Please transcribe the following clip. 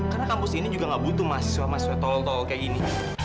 karena kampus ini juga nggak butuh mahasiswa mahasiswa tol tol kayak gini